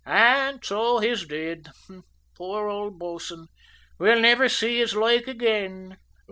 An' so he's d'id! Poor old bo'sun! we'll nivver see his loike ag'in."